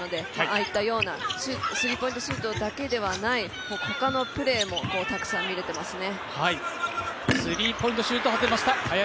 あいったようなスリーポイントシュートだけではない、ほかのプレーもたくさん見れてますね。